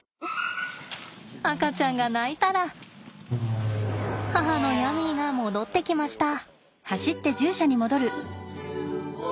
赤ちゃんが鳴いたら母のヤミーが戻ってきました。